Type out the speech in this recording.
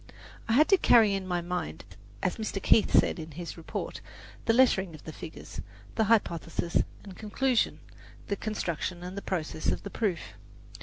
I had to carry in my mind, as Mr. Keith says in his report, the lettering of the figures, the hypothesis and conclusion, the construction and the process of the proof.